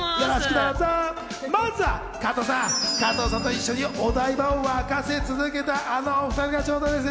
まずは加藤さん、加藤さんと一緒にお台場を沸かせ続けた、あの２人が登場です。